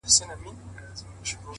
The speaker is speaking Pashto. • یوه زرکه یې له لیري وه لیدلې -